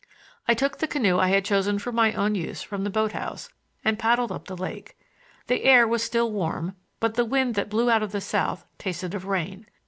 I took the canoe I had chosen for my own use from the boat house and paddled up the lake. The air was still warm, but the wind that blew out of the south tasted of rain.